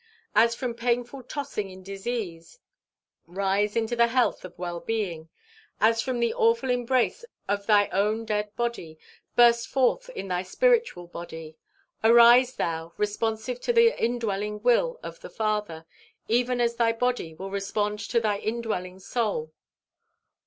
As from painful tossing in disease, rise into the health of well being. As from the awful embrace of thy own dead body, burst forth in thy spiritual body. Arise thou, responsive to the indwelling will of the Father, even as thy body will respond to thy indwelling soul.